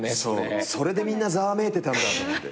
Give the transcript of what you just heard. それでみんなざわめいてたんだと思って。